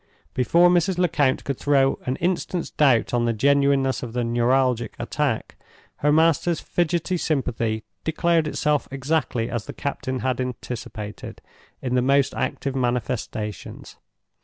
Before Mrs. Lecount could throw an instant's doubt on the genuineness of the neuralgic attack, her master's fidgety sympathy declared itself exactly as the captain had anticipated, in the most active manifestations.